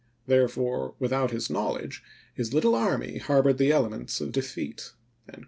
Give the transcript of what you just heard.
Therefore, without his knowl o?RoDert edge, his little army harbored the elements of de p. see!